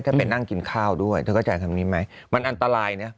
ถ้าเป็นนั่งกินข้าวด้วยเธอก็จะทำนี้ไหมมันอันตรายเนี่ย